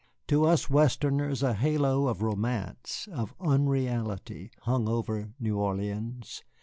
To us Westerners a halo of romance, of unreality, hung over New Orleans.